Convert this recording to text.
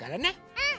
うん！